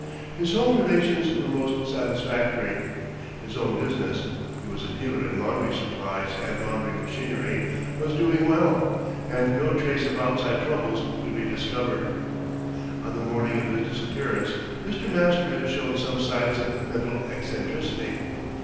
His home relations were most satisfactory. His own business he was a dealer in laundry supplies and laundry machinery was doing well, and no trace of outside troubles could be discovered. On the morning of his disappearance, Mr. Master had shown some signs of mental eccentricity.